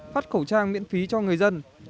phát khẩu trang miễn phí cho người dân